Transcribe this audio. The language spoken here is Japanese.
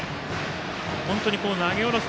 本当に投げ下ろす